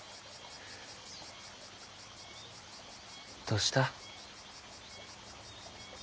どうした？